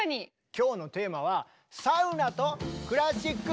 今日のテーマは「サウナとクラシック」！